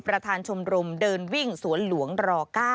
ประธานชมรมเดินวิ่งสวนหลวงร๙